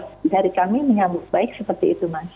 jadi kalau dari kami menyebut baik seperti itu mas